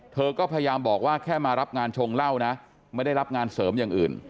เธอก็พยายามบอกว่าแค่มารับงานชงเหล้านะไม่ได้รับงานเสริมอย่างอื่น